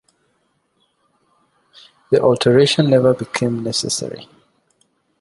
The alteration never became necessary.